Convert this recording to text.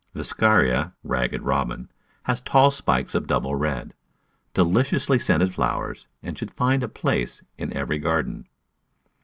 Viscaria (Ragged Robin) has tall spikes of double red, deliciously scented flowers, and should find a place in every garden.